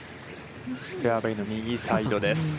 フェアウェイの右サイドです。